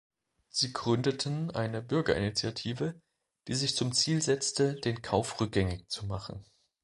Sie gründeten eine Bürgerinitiative, die sich zum Ziel setzte, den Kauf rückgängig zu machen.